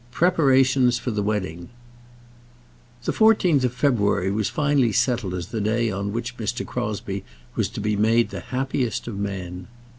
PREPARATIONS FOR THE WEDDING. [ILLUSTRATION: (untitled)] The fourteenth of February was finally settled as the day on which Mr. Crosbie was to be made the happiest of men.